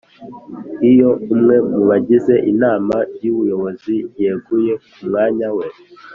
Iyo umwe mu bagize Inama y Ubuyobozi yeguye kumwanya we